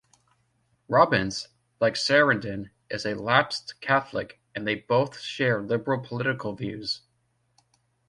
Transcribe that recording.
Robbins, like Sarandon, is a lapsed Catholic, and they both share liberal political views.